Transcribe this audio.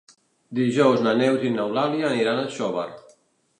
Dijous na Neus i n'Eulàlia aniran a Xóvar.